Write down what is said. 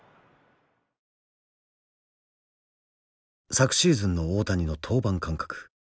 昨シーズンの大谷の登板間隔。